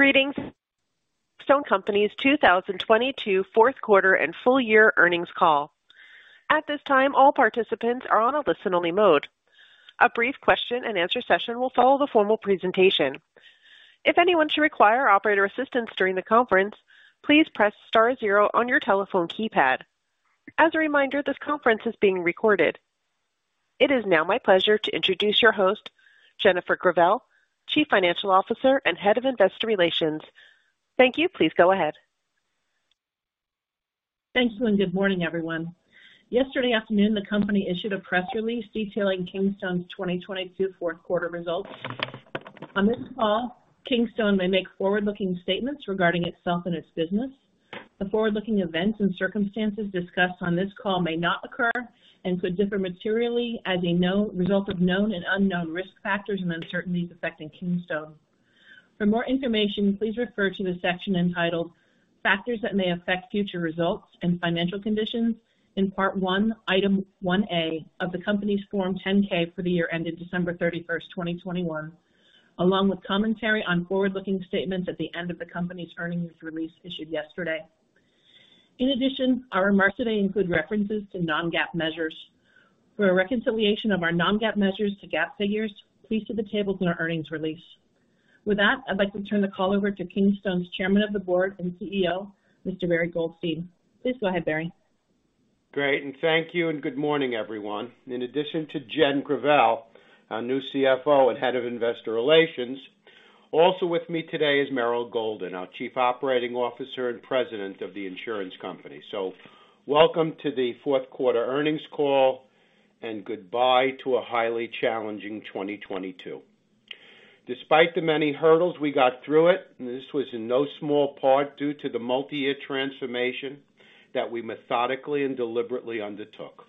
Greetings. Kingstone Companies 2022 4th quarter and full year earnings call. At this time, all participants are on a listen-only mode. A brief question and answer session will follow the formal presentation. If anyone should require operator assistance during the conference, please press star zero on your telephone keypad. As a reminder, this conference is being recorded. It is now my pleasure to introduce your host, Jennifer Gravelle, Chief Financial Officer and Head of Investor Relations. Thank you. Please go ahead. Thanks, Lynn. Good morning, everyone. Yesterday afternoon, the company issued a press release detailing Kingstone's 2022 fourth quarter results. On this call, Kingstone may make forward-looking statements regarding itself and its business. The forward-looking events and circumstances discussed on this call may not occur and could differ materially as a result of known and unknown risk factors and uncertainties affecting Kingstone. For more information, please refer to the section entitled Factors that may Affect Future Results and Financial Conditions in part one item one A of the Company's Form 10-K for the year ended December 31, 2021, along with commentary on forward-looking statements at the end of the company's earnings release issued yesterday. Our remarks today include references to non-GAAP measures. For a reconciliation of our non-GAAP measures to GAAP figures, please see the tables in our earnings release. With that, I'd like to turn the call over to Kingstone's Chairman of the Board and CEO, Mr. Barry Goldstein. Please go ahead, Barry. Thank you and good morning, everyone. In addition to Jennifer Gravelle, our new CFO and Head of Investor Relations, also with me today is Meryl Golden, our Chief Operating Officer and President of the insurance company. Welcome to the fourth quarter earnings call, and goodbye to a highly challenging 2022. Despite the many hurdles, we got through it, and this was in no small part due to the multi-year transformation that we methodically and deliberately undertook.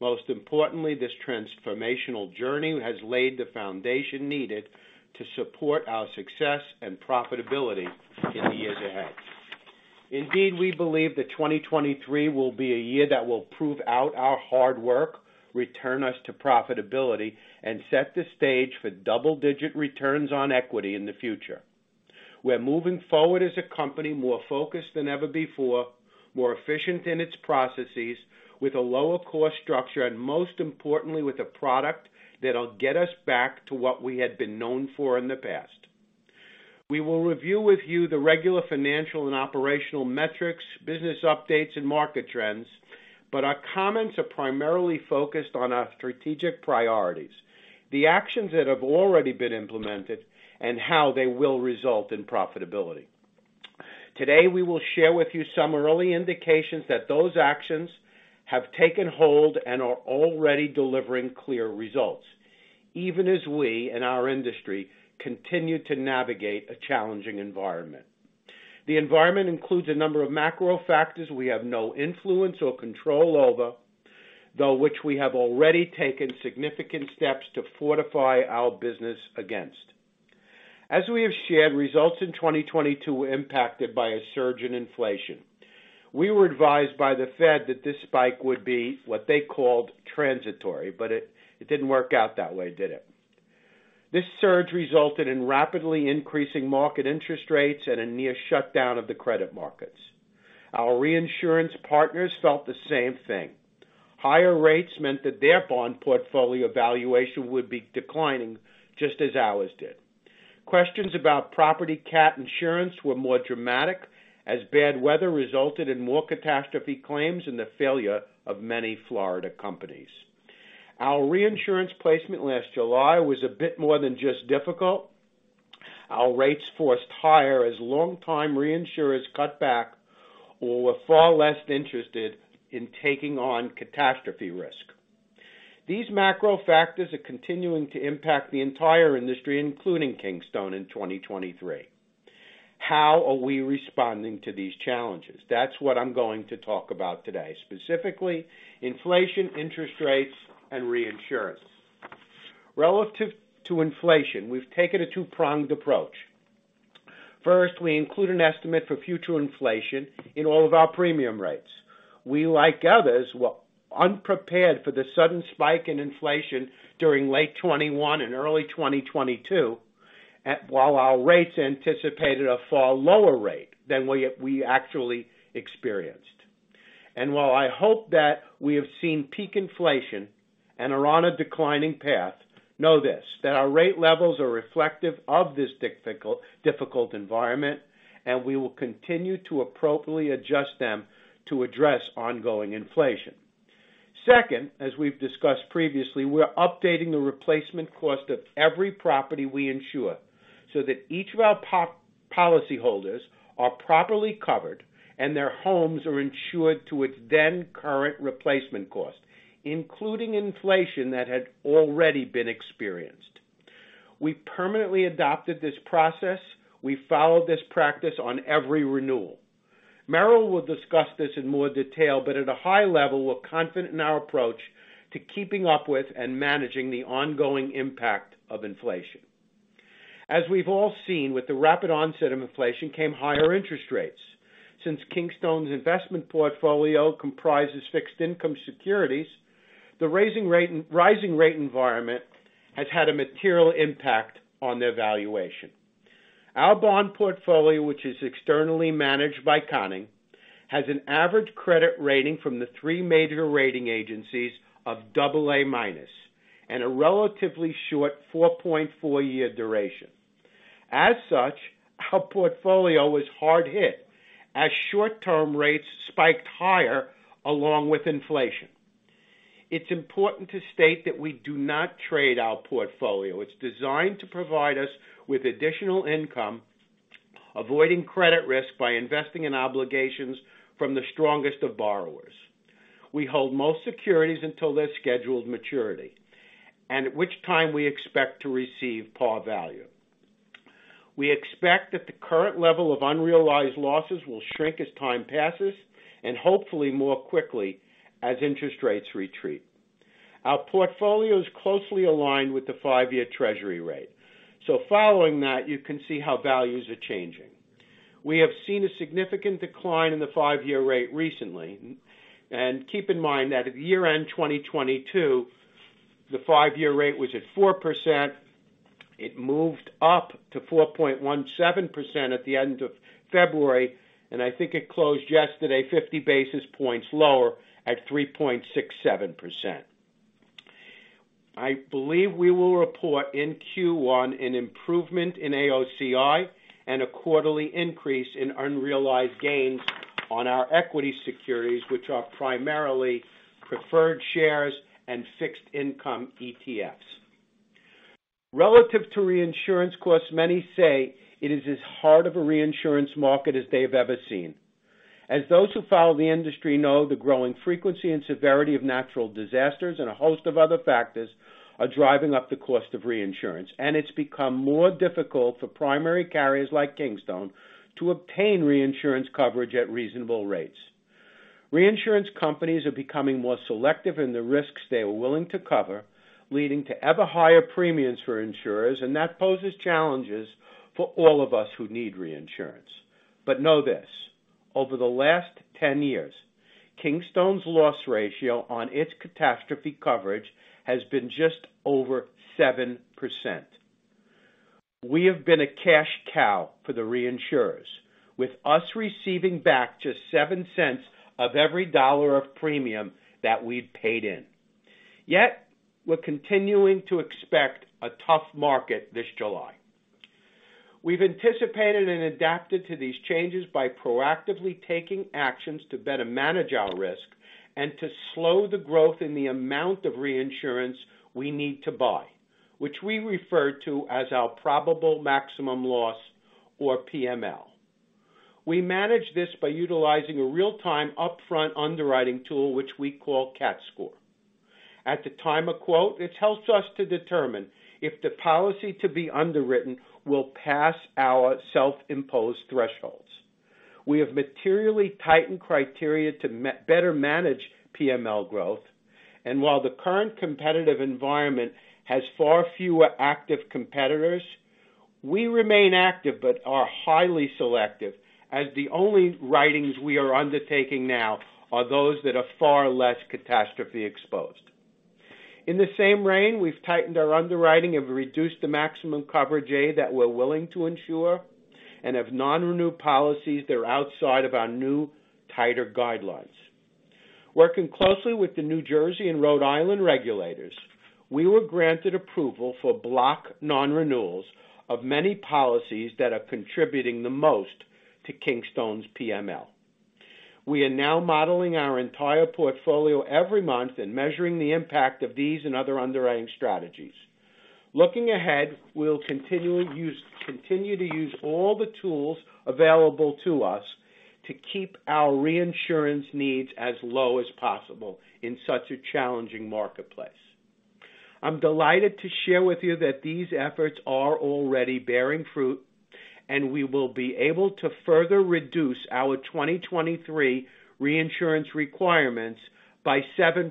Most importantly, this transformational journey has laid the foundation needed to support our success and profitability in the years ahead. Indeed, we believe that 2023 will be a year that will prove out our hard work, return us to profitability, and set the stage for double-digit returns on equity in the future. We're moving forward as a company more focused than ever before, more efficient in its processes with a lower cost structure, and most importantly, with a product that'll get us back to what we had been known for in the past. We will review with you the regular financial and operational metrics, business updates and market trends, but our comments are primarily focused on our strategic priorities, the actions that have already been implemented, and how they will result in profitability. Today, we will share with you some early indications that those actions have taken hold and are already delivering clear results, even as we, in our industry, continue to navigate a challenging environment. The environment includes a number of macro factors we have no influence or control over, though which we have already taken significant steps to fortify our business against. As we have shared, results in 2022 were impacted by a surge in inflation. We were advised by the Fed that this spike would be what they called transitory, it didn't work out that way, did it? This surge resulted in rapidly increasing market interest rates at a near shutdown of the credit markets. Our reinsurance partners felt the same thing. Higher rates meant that their bond portfolio valuation would be declining just as ours did. Questions about property cat insurance were more dramatic as bad weather resulted in more catastrophe claims and the failure of many Florida companies. Our reinsurance placement last July was a bit more than just difficult. Our rates forced higher as longtime reinsurers cut back or were far less interested in taking on catastrophe risk. These macro factors are continuing to impact the entire industry, including Kingstone in 2023. How are we responding to these challenges? That's what I'm going to talk about today, specifically inflation, interest rates, and reinsurance. Relative to inflation, we've taken a two-pronged approach. First, we include an estimate for future inflation in all of our premium rates. We, like others, were unprepared for the sudden spike in inflation during late 2021 and early 2022, while our rates anticipated a far lower rate than we actually experienced. While I hope that we have seen peak inflation and are on a declining path, know this, that our rate levels are reflective of this difficult environment, we will continue to appropriately adjust them to address ongoing inflation. Second, as we've discussed previously, we're updating the replacement cost of every property we insure so that each of our policyholders are properly covered and their homes are insured to its then current replacement cost, including inflation that had already been experienced. We permanently adopted this process. We followed this practice on every renewal. Meryl will discuss this in more detail. At a high level, we're confident in our approach to keeping up with and managing the ongoing impact of inflation. As we've all seen, with the rapid onset of inflation came higher interest rates. Since Kingstone's investment portfolio comprises fixed income securities. Rising rate environment has had a material impact on their valuation. Our bond portfolio, which is externally managed by Conning, has an average credit rating from the three major rating agencies of AA-, and a relatively short 4.4 year duration. As such, our portfolio was hard hit as short-term rates spiked higher along with inflation. It's important to state that we do not trade our portfolio. It's designed to provide us with additional income, avoiding credit risk by investing in obligations from the strongest of borrowers. We hold most securities until their scheduled maturity, and at which time we expect to receive par value. We expect that the current level of unrealized losses will shrink as time passes and hopefully more quickly as interest rates retreat. Our portfolio is closely aligned with the 5-year treasury rate, so following that, you can see how values are changing. We have seen a significant decline in the 5-year rate recently. Keep in mind that at year-end 2022, the 5-year rate was at 4%. It moved up to 4.17% at the end of February. I think it closed yesterday 50 basis points lower at 3.67%. I believe we will report in Q1 an improvement in AOCI and a quarterly increase in unrealized gains on our equity securities, which are primarily preferred shares and fixed income ETFs. Relative to reinsurance costs, many say it is as hard of a reinsurance market as they have ever seen. As those who follow the industry know, the growing frequency and severity of natural disasters and a host of other factors are driving up the cost of reinsurance. It's become more difficult for primary carriers like Kingstone to obtain reinsurance coverage at reasonable rates. Reinsurance companies are becoming more selective in the risks they are willing to cover, leading to ever higher premiums for insurers. That poses challenges for all of us who need reinsurance. Know this, over the last 10 years, Kingstone's loss ratio on its catastrophe coverage has been just over 7%. We have been a cash cow for the reinsurers, with us receiving back just $0.07 of every dollar of premium that we've paid in. We're continuing to expect a tough market this July. We've anticipated and adapted to these changes by proactively taking actions to better manage our risk and to slow the growth in the amount of reinsurance we need to buy, which we refer to as our probable maximum loss, or PML. We manage this by utilizing a real-time upfront underwriting tool, which we call Cat Score. At the time of quote, it helps us to determine if the policy to be underwritten will pass our self-imposed thresholds. We have materially tightened criteria to better manage PML growth. While the current competitive environment has far fewer active competitors, we remain active but are highly selective as the only writings we are undertaking now are those that are far less catastrophe exposed. In the same reign, we've tightened our underwriting and reduced the maximum coverage aid that we're willing to insure and have non-renewed policies that are outside of our new tighter guidelines. Working closely with the New Jersey and Rhode Island regulators, we were granted approval for block non-renewals of many policies that are contributing the most to Kingstone's PML. We are now modeling our entire portfolio every month and measuring the impact of these and other underwriting strategies. Looking ahead, we'll continue to use all the tools available to us to keep our reinsurance needs as low as possible in such a challenging marketplace. I'm delighted to share with you that these efforts are already bearing fruit, and we will be able to further reduce our 2023 reinsurance requirements by 7%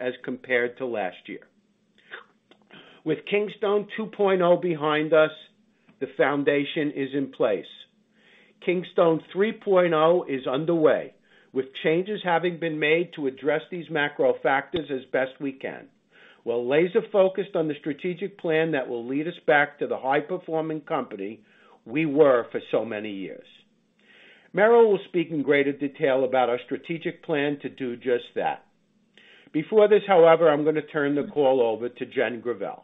as compared to last year. With Kingstone 2.0 behind us, the foundation is in place. Kingstone 3.0 is underway, with changes having been made to address these macro factors as best we can. While laser-focused on the strategic plan that will lead us back to the high-performing company we were for so many years. Meryl will speak in greater detail about our strategic plan to do just that. Before this, however, I'm gonna turn the call over to Jen Gravelle.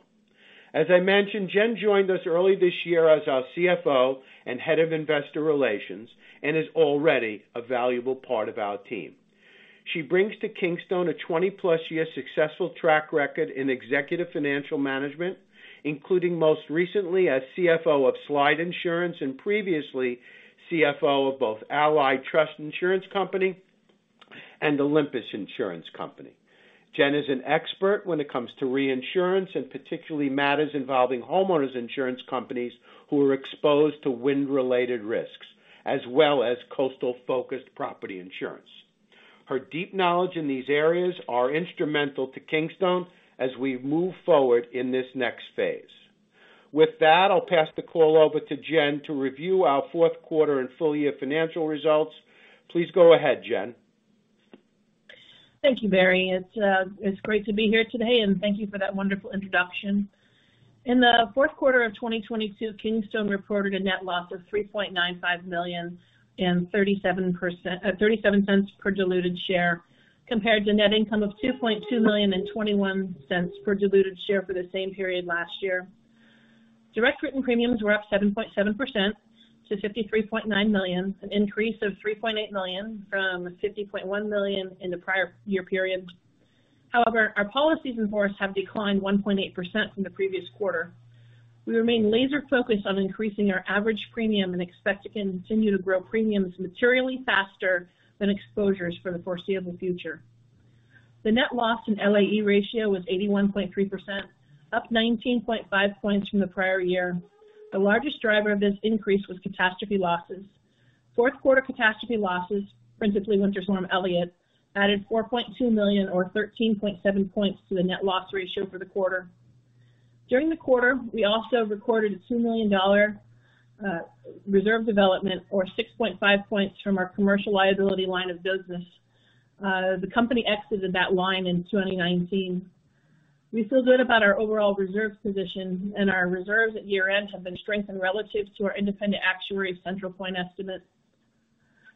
As I mentioned, Jen joined us early this year as our CFO and head of investor relations and is already a valuable part of our team. She brings to Kingstone a 20-plus year successful track record in executive financial management, including most recently as CFO of Slide Insurance and previously CFO of both Allied Trust Insurance Company and Olympus Insurance Company. Jen is an expert when it comes to reinsurance and particularly matters involving homeowners insurance companies who are exposed to wind-related risks, as well as coastal-focused property insurance. Her deep knowledge in these areas are instrumental to Kingstone as we move forward in this next phase. With that, I'll pass the call over to Jen to review our fourth quarter and full year financial results. Please go ahead, Jen. Thank you, Barry. It's, it's great to be here today, and thank you for that wonderful introduction. In the fourth quarter of 2022, Kingstone reported a net loss of $3.95 million and $0.37 per diluted share compared to net income of $2.2 million and $0.21 per diluted share for the same period last year. Direct written premiums were up 7.7% to $53.9 million, an increase of $3.8 million from $50.1 million in the prior year period. However, our policies in force have declined 1.8% from the previous quarter. We remain laser focused on increasing our average premium and expect to continue to grow premiums materially faster than exposures for the foreseeable future. The net loss in LAE ratio was 81.3%, up 19.5 points from the prior year. The largest driver of this increase was catastrophe losses. Fourth quarter catastrophe losses, principally Winter Storm Elliott, added $4.2 million or 13.7 points to the net loss ratio for the quarter. During the quarter, we also recorded a $2 million reserve development or 6.5 points from our commercial liability line of business. The company exited that line in 2019. We feel good about our overall reserve position, and our reserves at year-end have been strengthened relative to our independent actuary's central point estimate.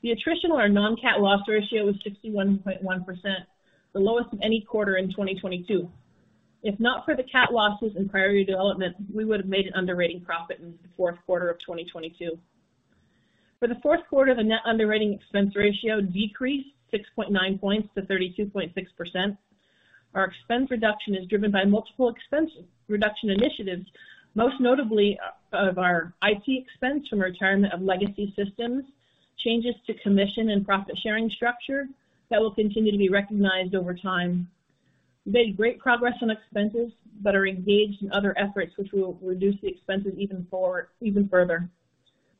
The attritional or non-cat loss ratio was 61.1%, the lowest of any quarter in 2022. If not for the cat losses and prior year development, we would've made an underwriting profit in the fourth quarter of 2022. For the fourth quarter, the net underwriting expense ratio decreased 6.9 points to 32.6%. Our expense reduction is driven by multiple expense reduction initiatives, most notably of our IT expense from retirement of legacy systems, changes to commission and profit-sharing structure that will continue to be recognized over time. We made great progress on expenses but are engaged in other efforts which will reduce the expenses even further.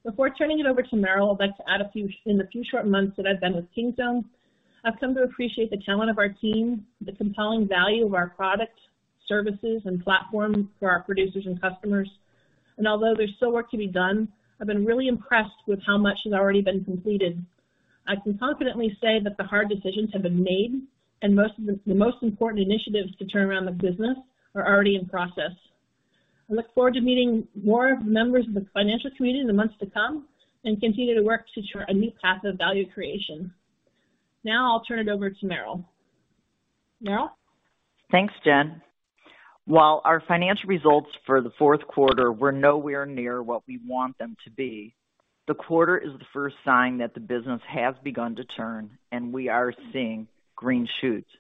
Before turning it over to Meryl, I'd like to add. In the few short months that I've been with Kingstone, I've come to appreciate the talent of our team, the compelling value of our products, services, and platforms for our producers and customers. Although there's still work to be done, I've been really impressed with how much has already been completed. I can confidently say that the hard decisions have been made, and most of the most important initiatives to turn around the business are already in process. I look forward to meeting more members of the financial community in the months to come and continue to work to chart a new path of value creation. Now I'll turn it over to Meryl. Meryl? Thanks, Jen. While our financial results for the fourth quarter were nowhere near what we want them to be, the quarter is the first sign that the business has begun to turn, we are seeing green shoots.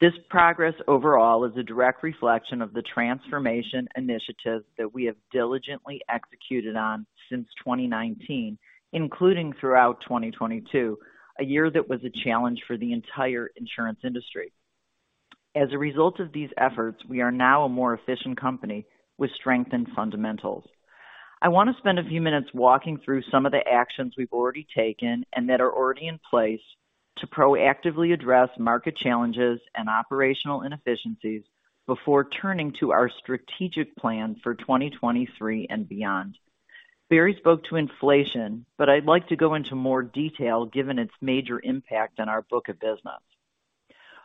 This progress overall is a direct reflection of the transformation initiatives that we have diligently executed on since 2019, including throughout 2022, a year that was a challenge for the entire insurance industry. As a result of these efforts, we are now a more efficient company with strengthened fundamentals. I want to spend a few minutes walking through some of the actions we've already taken and that are already in place to proactively address market challenges and operational inefficiencies before turning to our strategic plan for 2023 and beyond. Barry spoke to inflation. I'd like to go into more detail, given its major impact on our book of business.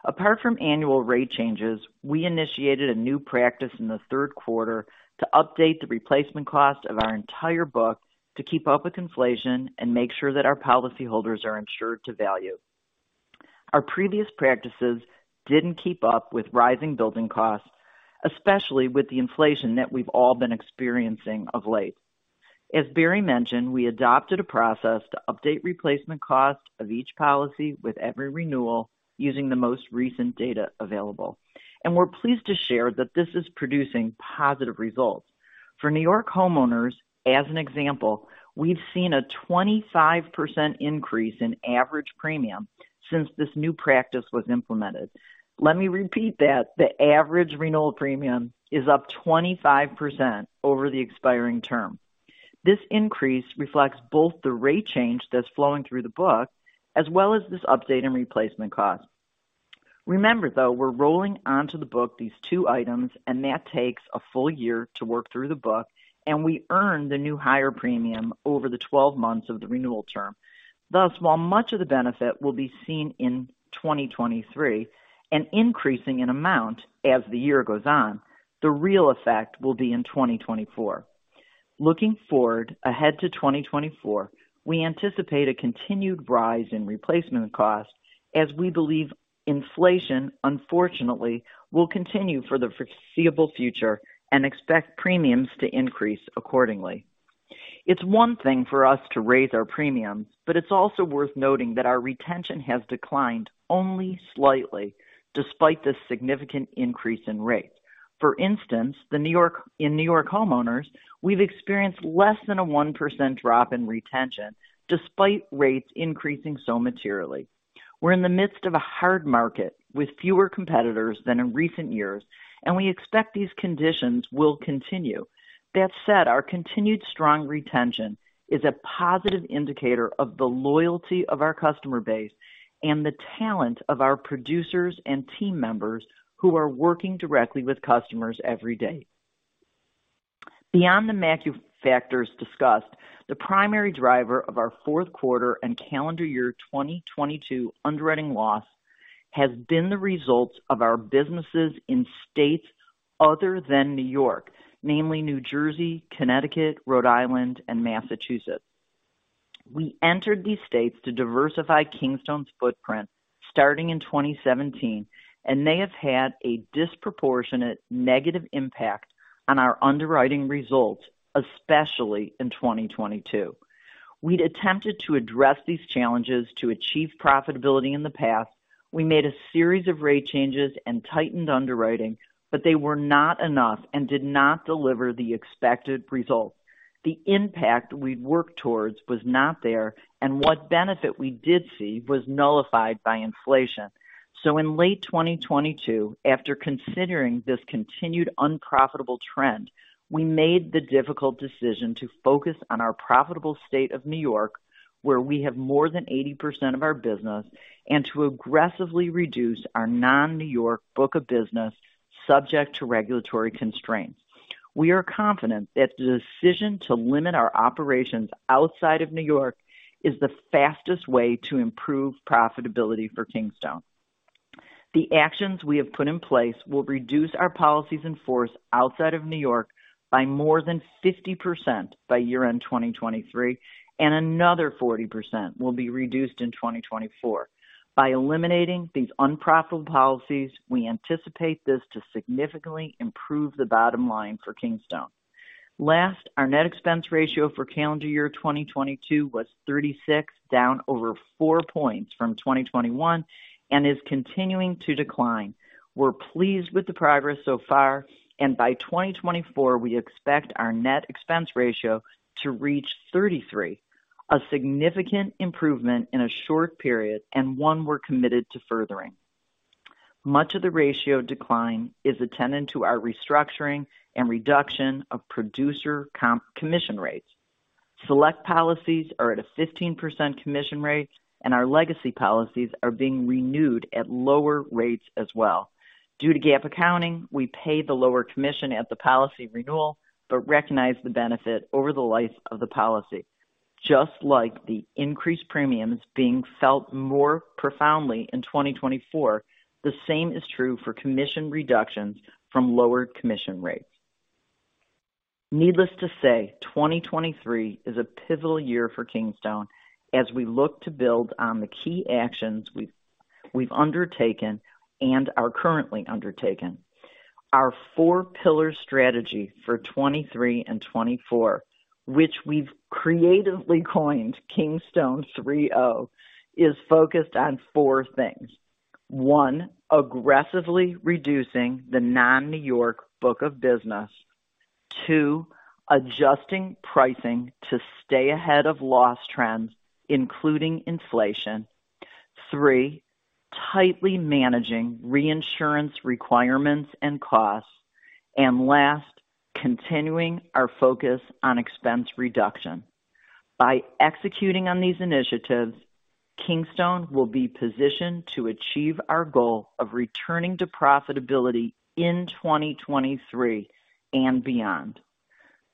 Apart from annual rate changes, we initiated a new practice in the third quarter to update the replacement cost of our entire book to keep up with inflation and make sure that our policyholders are insured to value. Our previous practices didn't keep up with rising building costs, especially with the inflation that we've all been experiencing of late. As Barry mentioned, we adopted a process to update replacement cost of each policy with every renewal using the most recent data available. We're pleased to share that this is producing positive results. For New York homeowners, as an example, we've seen a 25% increase in average premium since this new practice was implemented. Let me repeat that. The average renewal premium is up 25% over the expiring term. This increase reflects both the rate change that's flowing through the book, as well as this update in replacement cost. Remember, though, we're rolling onto the book these two items, and that takes a full year to work through the book, and we earn the new higher premium over the 12 months of the renewal term. Thus, while much of the benefit will be seen in 2023 and increasing in amount as the year goes on, the real effect will be in 2024. Looking forward ahead to 2024, we anticipate a continued rise in replacement cost as we believe inflation, unfortunately, will continue for the foreseeable future and expect premiums to increase accordingly. It's one thing for us to raise our premiums, but it's also worth noting that our retention has declined only slightly despite this significant increase in rates. For instance, in New York homeowners, we've experienced less than a 1% drop in retention despite rates increasing so materially. We're in the midst of a hard market with fewer competitors than in recent years, and we expect these conditions will continue. That said, our continued strong retention is a positive indicator of the loyalty of our customer base and the talent of our producers and team members who are working directly with customers every day. Beyond the macr-factors discussed, the primary driver of our fourth quarter and calendar year 2022 underwriting loss has been the results of our businesses in states other than New York, namely New Jersey, Connecticut, Rhode Island and Massachusetts. We entered these states to diversify Kingstone's footprint starting in 2017, they have had a disproportionate negative impact on our underwriting results, especially in 2022. We'd attempted to address these challenges to achieve profitability in the past. We made a series of rate changes and tightened underwriting, they were not enough and did not deliver the expected results. The impact we'd worked towards was not there, what benefit we did see was nullified by inflation. In late 2022, after considering this continued unprofitable trend, we made the difficult decision to focus on our profitable state of New York, where we have more than 80% of our business, and to aggressively reduce our non-New York book of business subject to regulatory constraints. We are confident that the decision to limit our operations outside of New York is the fastest way to improve profitability for Kingstone. The actions we have put in place will reduce our policies in force outside of New York by more than 50% by year end 2023. Another 40% will be reduced in 2024. By eliminating these unprofitable policies, we anticipate this to significantly improve the bottom line for Kingstone. Last, our net expense ratio for calendar year 2022 was 36, down over 4 points from 2021 and is continuing to decline. We're pleased with the progress so far. By 2024, we expect our net expense ratio to reach 33. A significant improvement in a short period and one we're committed to furthering. Much of the ratio decline is attendant to our restructuring and reduction of producer commission rates. Select policies are at a 15% commission rate and our legacy policies are being renewed at lower rates as well. Due to GAAP accounting, we pay the lower commission at the policy renewal, but recognize the benefit over the life of the policy. Just like the increased premiums being felt more profoundly in 2024, the same is true for commission reductions from lower commission rates. Needless to say, 2023 is a pivotal year for Kingstone as we look to build on the key actions we've undertaken and are currently undertaken. Our four-pillar strategy for 2023 and 2024, which we've creatively coined Kingstone 3.0, is focused on four things. One, aggressively reducing the non-New York book of business. Two, adjusting pricing to stay ahead of loss trends, including inflation. Three, tightly managing reinsurance requirements and costs. Last, continuing our focus on expense reduction. By executing on these initiatives, Kingstone will be positioned to achieve our goal of returning to profitability in 2023 and beyond.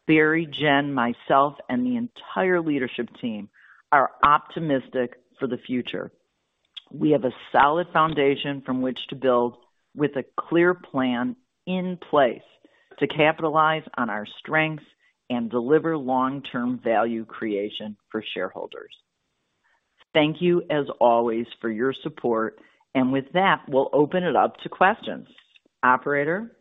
Barry, Jen, myself and the entire leadership team are optimistic for the future. We have a solid foundation from which to build with a clear plan in place to capitalize on our strengths and deliver long-term value creation for shareholders. Thank you as always for your support. With that, we'll open it up to questions. Operator?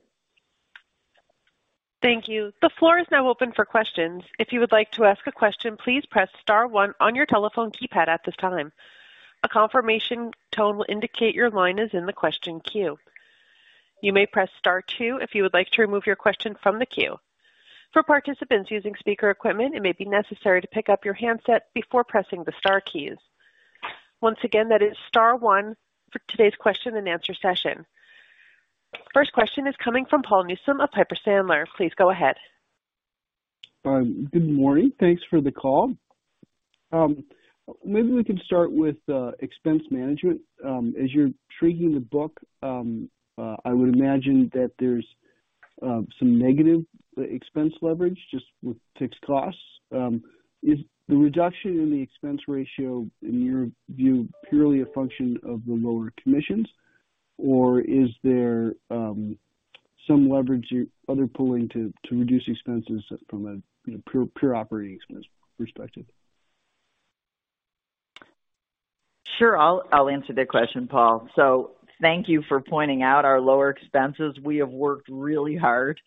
Thank you. The floor is now open for questions. If you would like to ask a question, please press star one on your telephone keypad at this time. A confirmation tone will indicate your line is in the question queue. You may press star two if you would like to remove your question from the queue. For participants using speaker equipment, it may be necessary to pick up your handset before pressing the star keys. Once again, that is star one for today's question and answer session. First question is coming from Paul Newsome of Piper Sandler. Please go ahead. Good morning. Thanks for the call. Maybe we can start with expense management. As you're treating the book, I would imagine that there's some negative expense leverage just with fixed costs. Is the reduction in the expense ratio, in your view, purely a function of the lower commissions, or is there some leverage or other pulling to reduce expenses from a, you know, pure operating expense perspective? Sure. I'll answer that question, Paul. Thank you for pointing out our lower expenses. We have worked really hard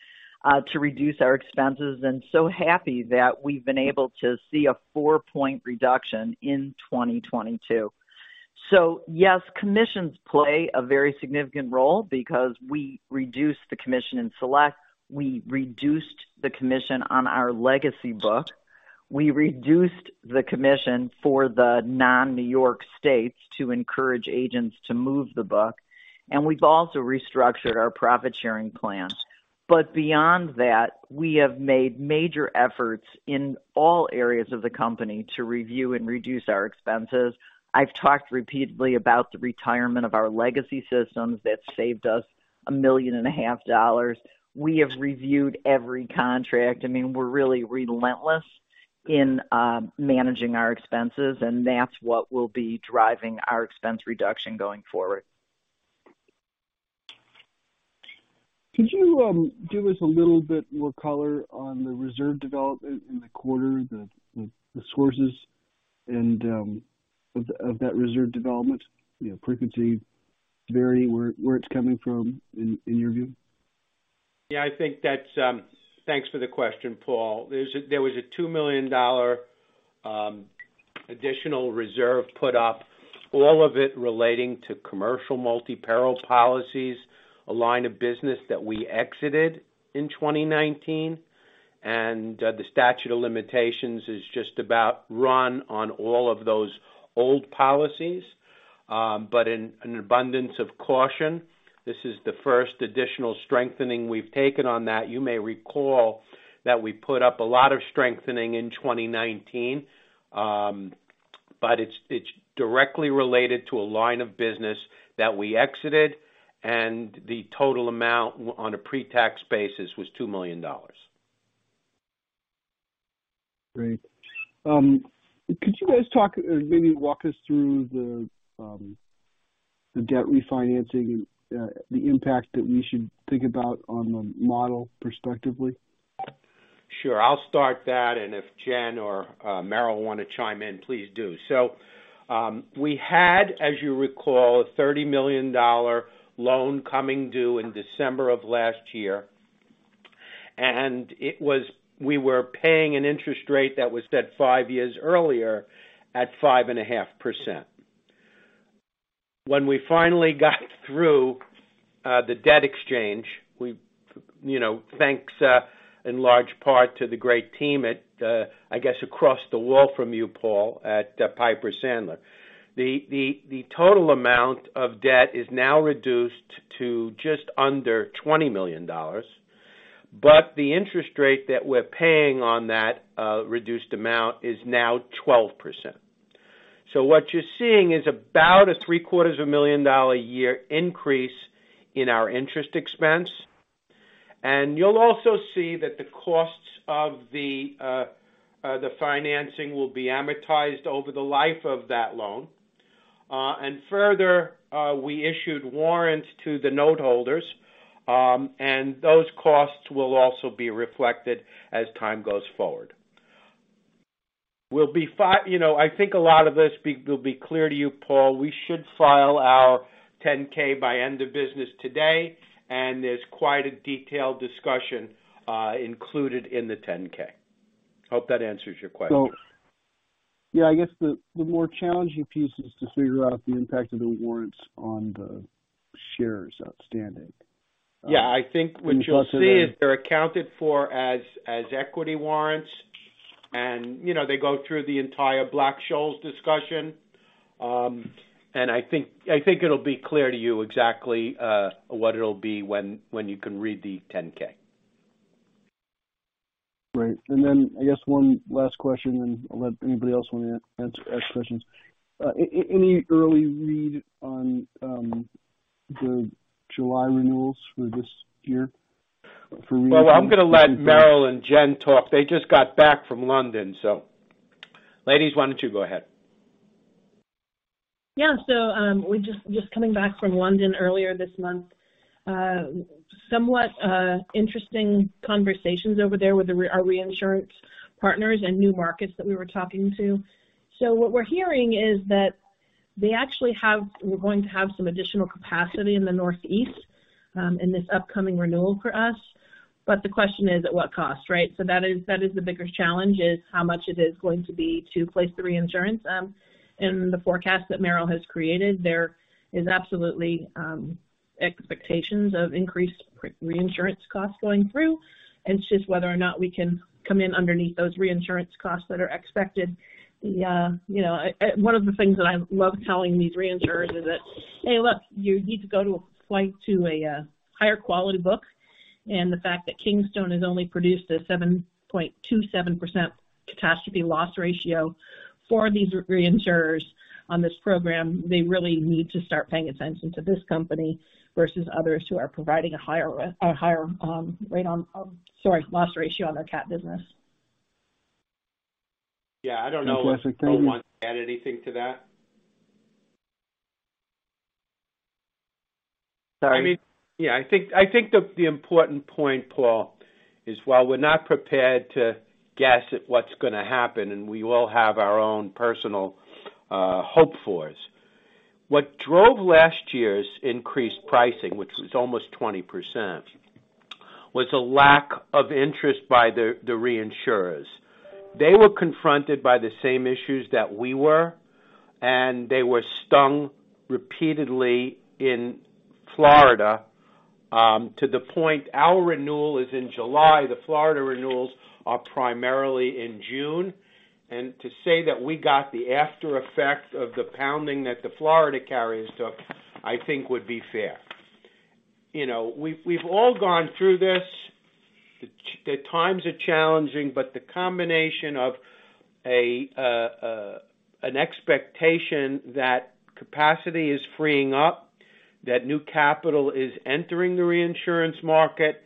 to reduce our expenses, and so happy that we've been able to see a 4-point reduction in 2022. Yes, commissions play a very significant role because we reduced the commission in Select. We reduced the commission on our legacy book. We reduced the commission for the non-New York states to encourage agents to move the book. We've also restructured our profit sharing plan. Beyond that, we have made major efforts in all areas of the company to review and reduce our expenses. I've talked repeatedly about the retirement of our legacy systems. That's saved us- A million and a half dollars. We have reviewed every contract. I mean, we're really relentless in managing our expenses, and that's what will be driving our expense reduction going forward. Could you give us a little bit more color on the reserve development in the quarter, the sources and of that reserve development? You know, frequency varying where it's coming from in your view. Yeah, I think that's. Thanks for the question, Paul. There was a $2 million additional reserve put up, all of it relating to commercial multi-peril policies, a line of business that we exited in 2019, and the statute of limitations is just about run on all of those old policies. In an abundance of caution, this is the first additional strengthening we've taken on that. You may recall that we put up a lot of strengthening in 2019. It's, it's directly related to a line of business that we exited, and the total amount on a pre-tax basis was $2 million. Great. Could you guys talk or maybe walk us through the debt refinancing and the impact that we should think about on the model perspectively? Sure. I'll start that, and if Jen or Meryl want to chime in, please do. We had, as you recall, a $30 million loan coming due in December of last year. We were paying an interest rate that was set 5 years earlier at 5.5%. When we finally got through the debt exchange, we, you know, thanks in large part to the great team at, I guess, across the world from you, Paul, at Piper Sandler. The total amount of debt is now reduced to just under $20 million, but the interest rate that we're paying on that reduced amount is now 12%. What you're seeing is about a three-quarters of a million dollar a year increase in our interest expense. You'll also see that the costs of the financing will be amortized over the life of that loan. Further, we issued warrants to the note holders. Those costs will also be reflected as time goes forward. You know, I think a lot of this will be clear to you, Paul. We should file our 10-K by end of business today. There's quite a detailed discussion included in the 10-K. Hope that answers your question. Yeah, I guess the more challenging piece is to figure out the impact of those warrants on the shares outstanding. Yeah. I think what you'll see is they're accounted for as equity warrants and, you know, they go through the entire Black-Scholes discussion. I think it'll be clear to you exactly what it'll be when you can read the 10-K. Right. I guess one last question, and I'll let anybody else want to ask questions. Any early read on the July renewals for this year for- Well, I'm gonna let Meryl and Jen talk. They just got back from London. Ladies, why don't you go ahead? Yeah. We just coming back from London earlier this month. Somewhat interesting conversations over there with our reinsurance partners and new markets that we were talking to. What we're hearing is that we're going to have some additional capacity in the Northeast in this upcoming renewal for us. The question is at what cost, right? That is the biggest challenge is how much it is going to be to place the reinsurance. The forecast that Meryl has created, there is absolutely expectations of increased reinsurance costs going through. It's just whether or not we can come in underneath those reinsurance costs that are expected. The, you know... One of the things that I love telling these reinsurers is that, "Hey, look, you need to go to a flight to a higher quality book." The fact that Kingstone has only produced a 7.27% catastrophe loss ratio for these reinsurers on this program, they really need to start paying attention to this company versus others who are providing a higher loss ratio on their cat business. Yeah. I don't know if, Paul wants to add anything to that. Sorry. I mean, yeah, I think the important point, Paul, is while we're not prepared to guess at what's gonna happen, we all have our own personal hope for us. What drove last year's increased pricing, which was almost 20%, was a lack of interest by the reinsurers. They were confronted by the same issues that we were. They were stung repeatedly in Florida, to the point our renewal is in July, the Florida renewals are primarily in June. To say that we got the after effect of the pounding that the Florida carriers took, I think would be fair. You know, we've all gone through this. The times are challenging, the combination of an expectation that capacity is freeing up, that new capital is entering the reinsurance market,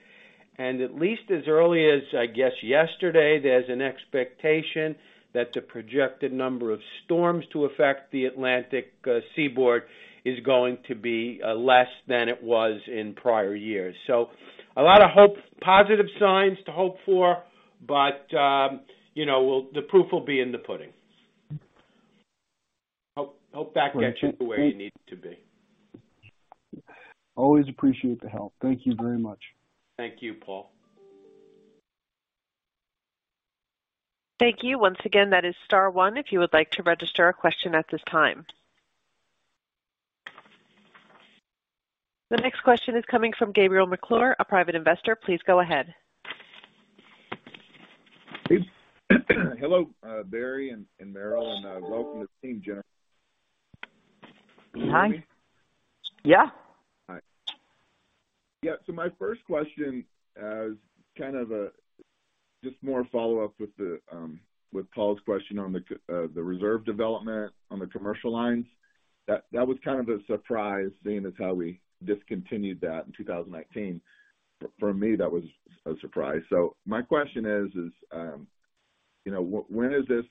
and at least as early as, I guess, yesterday, there's an expectation that the projected number of storms to affect the Atlantic seaboard is going to be less than it was in prior years. A lot of hope, positive signs to hope for, you know, the proof will be in the pudding. Hope that gets you where you need it to be. Always appreciate the help. Thank you very much. Thank you, Paul. Thank you. Once again, that is star one if you would like to register a question at this time. The next question is coming from Gabriel McClure, a private investor. Please go ahead. Hello, Barry and Meryl, and welcome to the team, Jen. Hi. Yeah. Hi. Yeah. My first question is kind of a just more follow-up with Paul's question on the reserve development on the commercial lines. That was kind of a surprise, seeing as how we discontinued that in 2018. For me, that was a surprise. My question is, you know, when is this,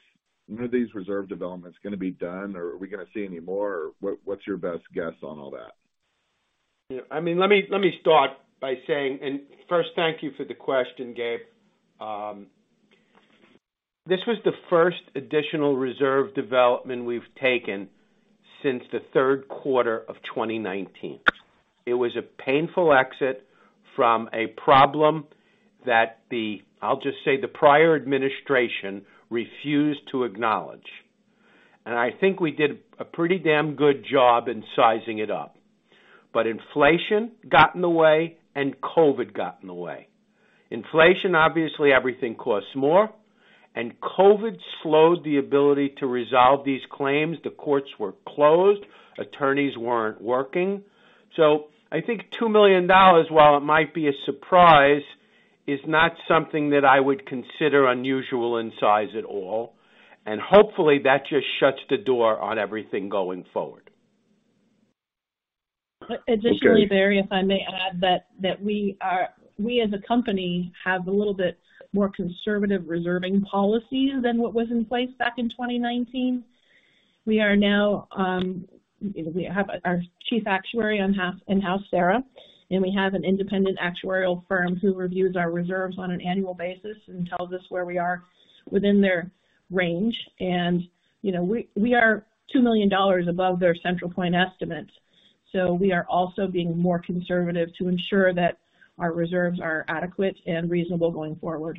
when are these reserve developments going to be done, or are we going to see any more? What's your best guess on all that? I mean, let me start by saying. First, thank you for the question, Gabe. This was the first additional reserve development we've taken since the third quarter of 2019. It was a painful exit from a problem that I'll just say, the prior administration refused to acknowledge. I think we did a pretty damn good job in sizing it up. Inflation got in the way and COVID got in the way. Inflation, obviously, everything costs more, and COVID slowed the ability to resolve these claims. The courts were closed. Attorneys weren't working. I think $2 million, while it might be a surprise, is not something that I would consider unusual in size at all. Hopefully, that just shuts the door on everything going forward. Okay. Additionally, Barry, if I may add that we as a company have a little bit more conservative reserving policies than what was in place back in 2019. We are now, we have our chief actuary in-house, Sarah, and we have an independent actuarial firm who reviews our reserves on an annual basis and tells us where we are within their range. You know, we are $2 million above their central point estimates. We are also being more conservative to ensure that our reserves are adequate and reasonable going forward.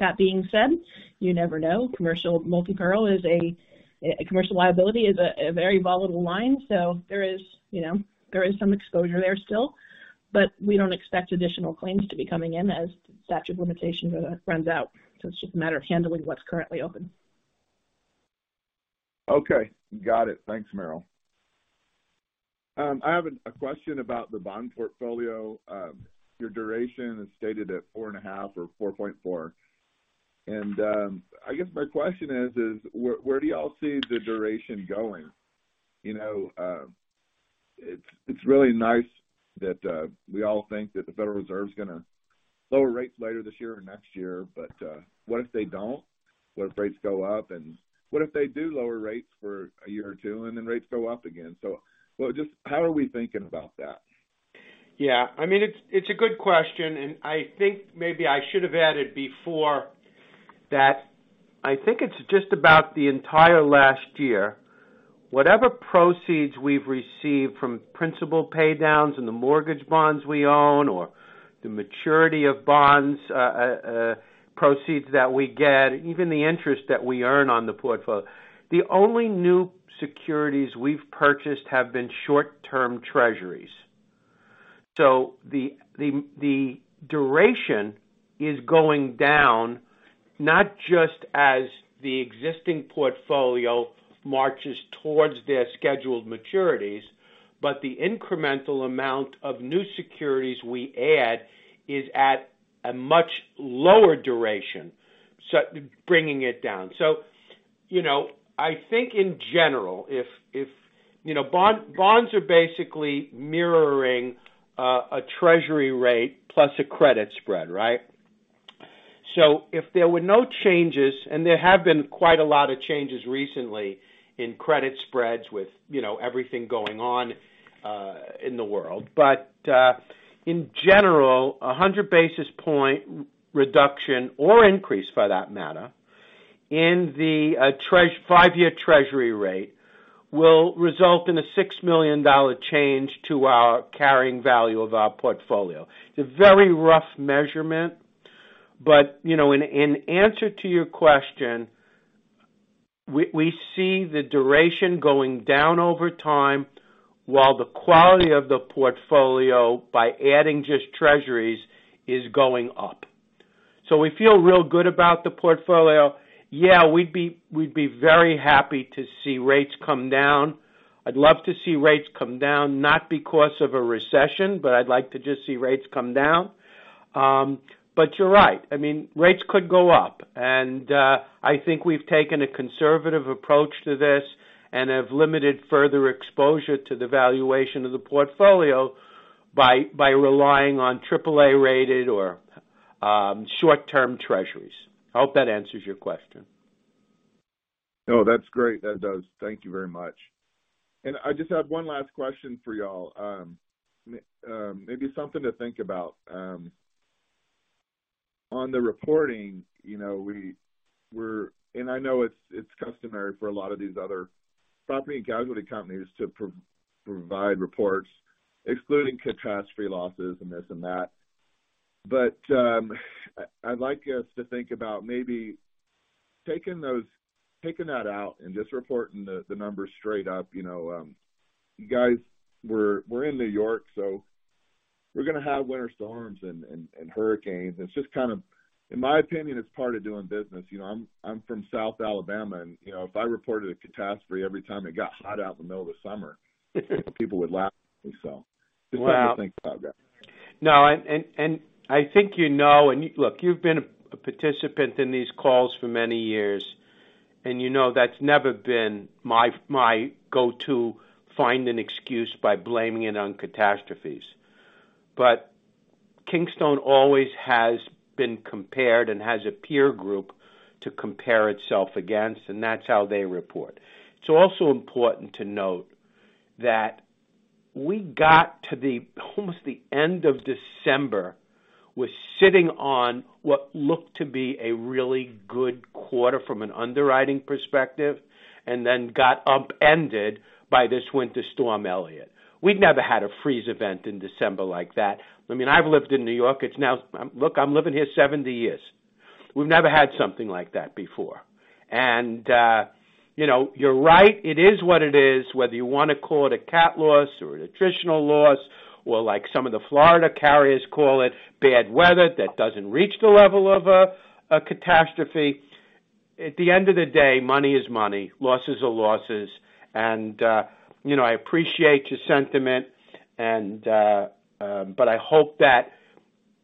That being said, you never know. Commercial multi-peril is a commercial liability is a very volatile line, so there is, you know, there is some exposure there still. We don't expect additional claims to be coming in as statute of limitations runs out, so it's just a matter of handling what's currently open. Okay. Got it. Thanks, Meryl. I have a question about the bond portfolio. Your duration is stated at 4.5 or 4.4. I guess my question is, where do y'all see the duration going? You know, it's really nice that we all think that the Federal Reserve's gonna lower rates later this year or next year, but what if they don't? What if rates go up? What if they do lower rates for a year or two and then rates go up again? Just how are we thinking about that? Yeah, I mean, it's a good question, and I think maybe I should have added before that I think it's just about the entire last year. Whatever proceeds we've received from principal pay downs in the mortgage bonds we own or the maturity of bonds, proceeds that we get, even the interest that we earn on the portfolio, the only new securities we've purchased have been short-term Treasuries. The duration is going down not just as the existing portfolio marches towards their scheduled maturities, but the incremental amount of new securities we add is at a much lower duration, bringing it down. You know, I think in general, if, you know, bonds are basically mirroring, a Treasury rate plus a credit spread, right? If there were no changes, there have been quite a lot of changes recently in credit spreads with, you know, everything going on in the world. In general, a 100 basis point reduction or increase for that matter, in the five-year treasury rate will result in a $6 million change to our carrying value of our portfolio. It's a very rough measurement, but, you know, in answer to your question, we see the duration going down over time while the quality of the portfolio, by adding just treasuries, is going up. We feel real good about the portfolio. Yeah, we'd be very happy to see rates come down. I'd love to see rates come down, not because of a recession, but I'd like to just see rates come down. You're right. I mean, rates could go up. I think we've taken a conservative approach to this and have limited further exposure to the valuation of the portfolio by relying on AAA rated or short-term treasuries. I hope that answers your question. No, that's great. That does. Thank you very much. I just have one last question for y'all. maybe something to think about. On the reporting, you know, and I know it's customary for a lot of these other property and casualty companies to provide reports excluding catastrophe losses and this and that. I'd like us to think about maybe taking that out and just reporting the numbers straight up. You know, you guys, we're in New York, so we're gonna have winter storms and hurricanes. It's just kind of. In my opinion, it's part of doing business. You know, I'm from South Alabama and, you know, if I reported a catastrophe every time it got hot out in the middle of the summer, people would laugh at me. Just want you to think about that. No, I think you know, look, you've been a participant in these calls for many years, and you know that's never been my go-to find an excuse by blaming it on catastrophes. Kingstone always has been compared and has a peer group to compare itself against, and that's how they report. It's also important to note that we got to the almost the end of December with sitting on what looked to be a really good quarter from an underwriting perspective, and then got upended by this Winter Storm Elliott. We've never had a freeze event in December like that. I mean, I've lived in New York. Look, I'm living here 70 years. We've never had something like that before. You know, you're right. It is what it is, whether you wanna call it a cat loss or an attritional loss or like some of the Florida carriers call it, bad weather that doesn't reach the level of a catastrophe. At the end of the day, money is money, losses are losses. You know, I appreciate your sentiment and I hope that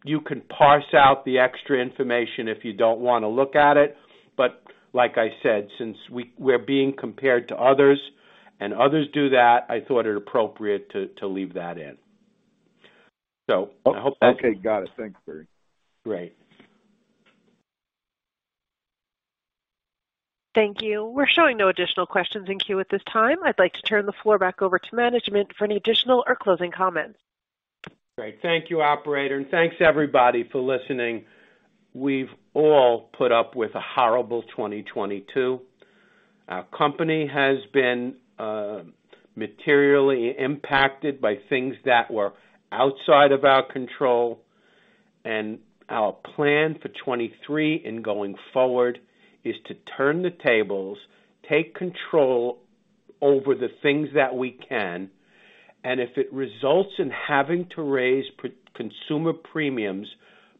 you can parse out the extra information if you don't wanna look at it. Like I said, since we're being compared to others and others do that, I thought it appropriate to leave that in. I hope that. Okay, got it. Thanks, Barry. Great. Thank you. We're showing no additional questions in queue at this time. I'd like to turn the floor back over to management for any additional or closing comments. Great. Thank you, operator, and thanks everybody for listening. We've all put up with a horrible 2022. Our company has been materially impacted by things that were outside of our control. Our plan for 2023 and going forward is to turn the tables, take control over the things that we can, and if it results in having to raise consumer premiums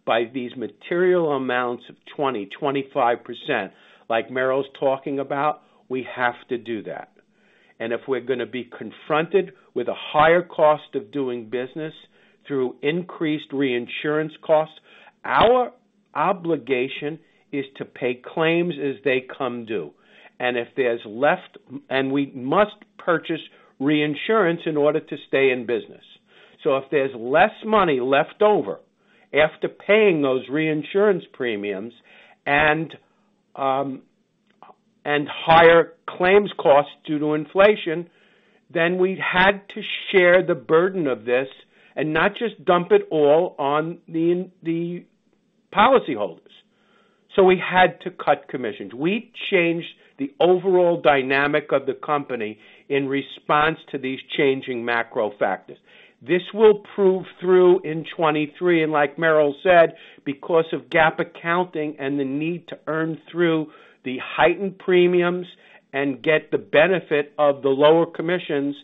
by these material amounts of 20%, 25%, like Meryl's talking about, we have to do that. If we're gonna be confronted with a higher cost of doing business through increased reinsurance costs, our obligation is to pay claims as they come due. We must purchase reinsurance in order to stay in business. If there's less money left over after paying those reinsurance premiums and higher claims costs due to inflation, then we had to share the burden of this and not just dump it all on the policyholders. We had to cut commissions. We changed the overall dynamic of the company in response to these changing macro factors. This will prove through in 2023, and like Meryl said, because of GAAP accounting and the need to earn through the heightened premiums and get the benefit of the lower commissions,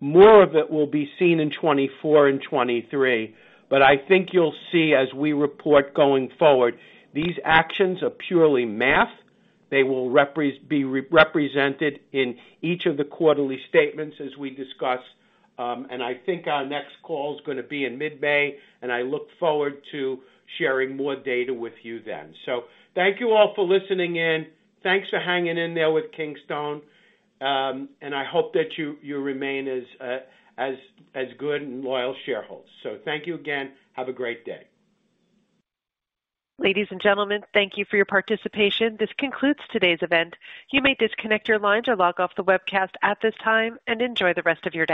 more of it will be seen in 2024 and 2023. I think you'll see as we report going forward, these actions are purely math. They will be re-represented in each of the quarterly statements as we discuss. I think our next call is gonna be in mid-May, and I look forward to sharing more data with you then. Thank you all for listening in. Thanks for hanging in there with Kingstone. I hope that you remain as good and loyal shareholders. Thank you again. Have a great day. Ladies and gentlemen, thank you for your participation. This concludes today's event. You may disconnect your lines or log off the webcast at this time, and enjoy the rest of your day.